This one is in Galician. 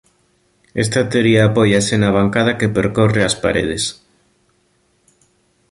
Esta teoría apóiase na bancada que percorre as paredes.